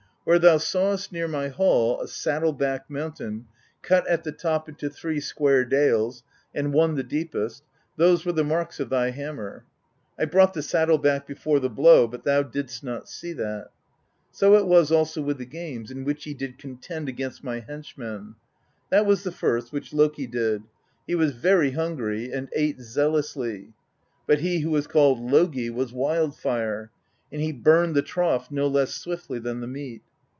Where thou sawest near my hall a saddle backed mountain, cut at the top into three square dales, and one the deepest, those were the marks of thy hammer. I brought the saddle back before the blow, but thou didst not see that. So it was also with the games, in which ye did contend against my henchmen: that was the first, which Loki did; he was very hungry and ate zeal ously, but he who was called Logi was "wild fire," and he burned the trough no less swiftly than the meat.